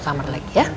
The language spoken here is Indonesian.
bersama sama lagi ya